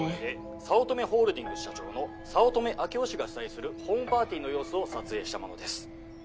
早乙女ホールディングス社長の早乙女秋生氏が開催するホームパーティの様子を撮影したものです。